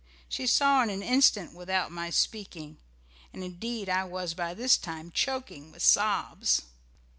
She saw it in an instant without my speaking, and indeed I was by this time choking with sobs.